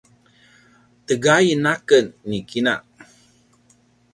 tegain a ken ni ina